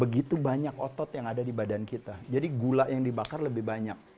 begitu banyak otot yang ada di badan kita jadi gula yang dibakar lebih banyak